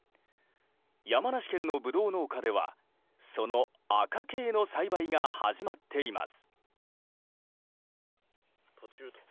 山梨県のブドウ農家ではその赤系の栽培が始まっています。